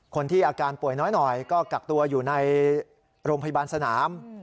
คนที่อาการป่วยน้อยหน่อยก็กักตัวอยู่ในโรงพยาบาลสนาม